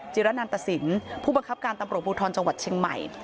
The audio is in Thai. ระนันตสินผู้บังคับการตำรวจภูทรจังหวัดเชียงใหม่